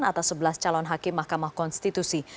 atas sebelas calon hakim mahkamah konstitusi